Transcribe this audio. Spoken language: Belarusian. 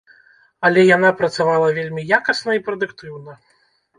Але яна працавала вельмі якасна і прадуктыўна.